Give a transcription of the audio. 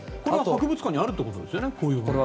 これは博物館にあるってことですよね。